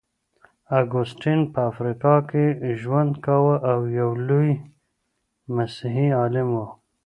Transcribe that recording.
اګوستين په افریقا کي ژوند کاوه او يو لوی مسيحي عالم و.